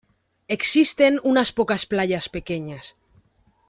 Existen una pocas playas pequeñas.